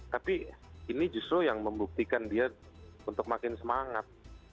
tapi ini justru yang membuktikan dia untuk makin semangat